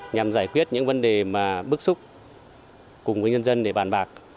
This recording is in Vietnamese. nhằm giải quyết những vấn đề bức xúc cùng với nhân dân để bàn bạc